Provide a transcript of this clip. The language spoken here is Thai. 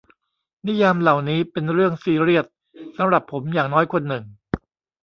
นิยามเหล่านี้เป็นเรื่องซีเรียส สำหรับผมอย่างน้อยคนหนึ่ง